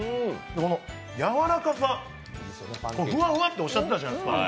このやわらかさ、ふわふわっておっしゃってたじゃないですか。